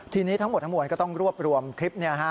ทีนี้ทั้งหมดทั้งมวลก็ต้องรวบรวมคลิปนี้